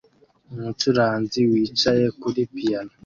Umucuranzi wicaye kuri piyano